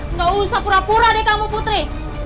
nggak usah pura pura deh kamu putri